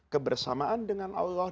kebersamaan dengan allah